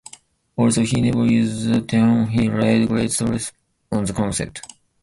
Although he never used the term he laid great stress on the concept.